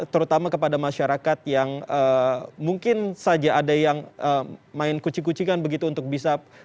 terutama kepada masyarakat yang mungkin saja ada yang main kucing kucingan begitu untuk bisa